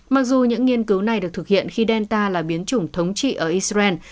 mặc dù những nghiên cứu này được thực hiện khi delta là biến chủng thống trị ở israel